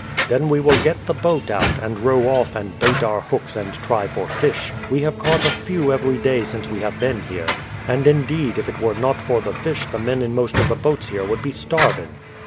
"Then we will get the boat out, and row off and bait our hooks and try for fish; we have caught a few every day since we have been here. And, indeed, if it were not for the fish the men in most of the boats here would be starving."